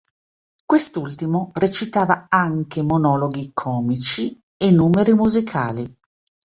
Quest'ultimo recitava anche monologhi comici e numeri musicali.